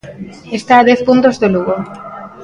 Está a dez puntos do Lugo.